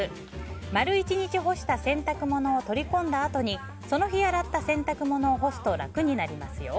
丸１日干した洗濯物を取り込んだあとにその日、洗った洗濯物を干すと楽になりますよ。